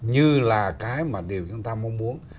như là cái mà chúng ta mong muốn